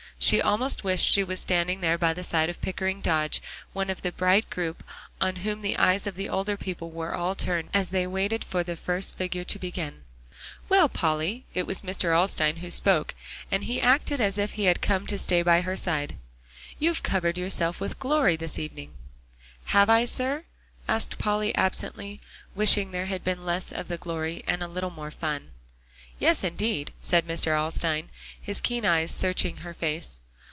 She almost wished she was standing there by the side of Pickering Dodge, one of the bright group on whom the eyes of the older people were all turned, as they waited for the first figure to begin. "Well, Polly" it was Mr. Alstyne who spoke, and he acted as if he had come to stay by her side "you've covered yourself with glory this evening." "Have I, sir?" asked Polly absently, wishing there had been less of the glory, and a little more fun. "Yes, indeed," said Mr. Alstyne, his keen eyes searching her face.